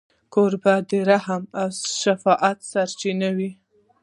کوربه د رحم او شفقت سرچینه وي.